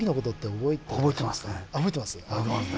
覚えてますね。